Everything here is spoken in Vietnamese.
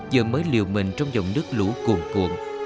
giờ mới liều mình trong dòng nước lũ cuồn cuồn